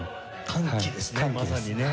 歓喜ですねまさにね。